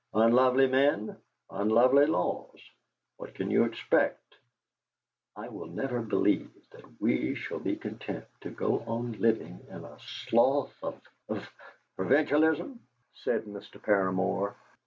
Unlovely men, unlovely laws what can you expect?" "I will never believe that we shall be content to go on living in a slough of of " "Provincialism!" said Mr. Paramor.